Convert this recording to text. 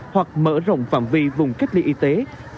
hoặc mở rộng phạm vi vùng cách ly y tế